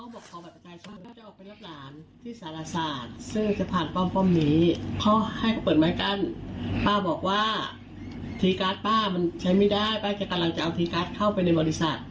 ป้ามันใช้ไม่ได้ป้าจะกำลังจะเอาทีการ์ดเข้าไปในบริษัท